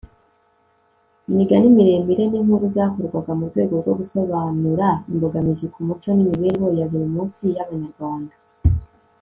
imigani miremire ni nkuru zakorwaga murwego rwo gusobanura imbogamizi ku muco n'imibereho ya buri munsi y'abanyarwanda